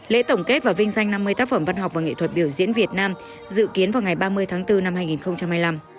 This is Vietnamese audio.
lễ tổng kết và vinh danh năm mươi tác phẩm văn học và nghệ thuật biểu diễn việt nam dự kiến vào ngày ba mươi tháng bốn năm hai nghìn hai mươi năm